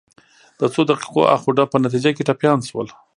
د څو دقیقو اخ و ډب په نتیجه کې ټپیان شول.